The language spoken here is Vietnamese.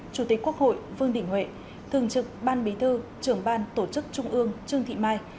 chủ tịch quốc hội vương đình huệ thường trực ban bí thư trường ban tổ chức trung ương trương thị mai